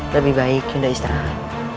lebih baik yunda istirahat